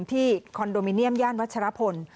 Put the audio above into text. คอนโดมิเนียมย่านวัชรพล